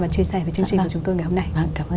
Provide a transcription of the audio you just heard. và chia sẻ với chương trình của chúng tôi ngày hôm nay